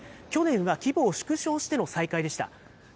去年は規模を縮小しての再開でした。